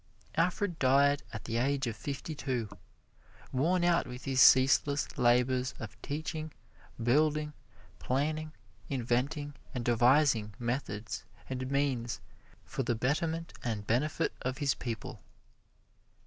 Alfred died, at the age of fifty two, worn out with his ceaseless labors of teaching, building, planning, inventing and devising methods and means for the betterment and benefit of his people.